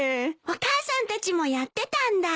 お母さんたちもやってたんだ。